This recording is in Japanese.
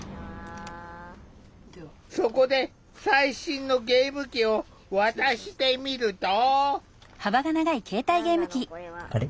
そこで最新のゲーム機を渡してみると。